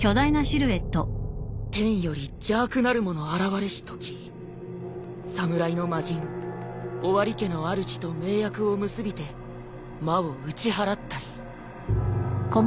「天より邪悪なるもの現れしとき侍の魔人オワリ家のあるじと盟約を結びて魔をうちはらったり」